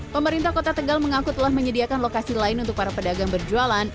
pemerintah kota tegal mengaku telah menyediakan lokasi lain untuk para pedagang berjualan